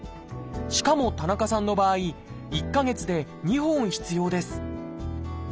しかも田中さんの場合１か月で２本必要です。